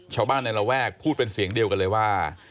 ชาวบ้านในระแวกพูดเป็นเสียงเดียวกันเลยว่า